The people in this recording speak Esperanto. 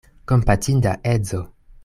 Kompatinda edzo!